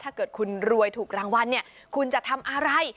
ถ้าเกิดคุณรวยถูกรางวัลเนี่ยคุณจะทำอะไร